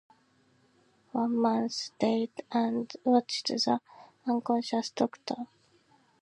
One man stayed and watched the unconscious doctor.